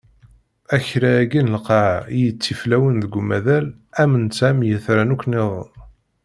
Akerra-agi n lqaɛa i yettiflawen deg umaḍal am netta am yitran akk niḍen.